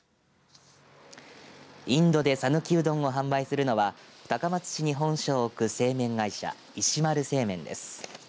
インドで讃岐うどんを販売するのは高松市に本社を置く製麺会社石丸製麺です。